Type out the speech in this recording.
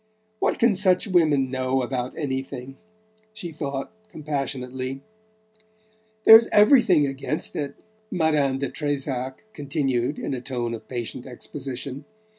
"What can such women know about anything?" she thought compassionately. "There's everything against it," Madame de Trezac continued in a tone of patient exposition.